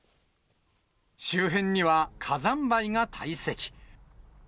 周辺には火山灰が堆積。